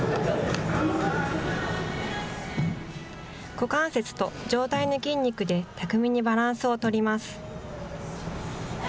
股関節と上体の筋肉で巧みにバランスを取ります。